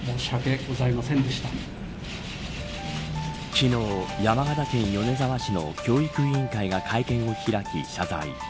昨日、山形県米沢市の教育委員会が会見を開き、謝罪。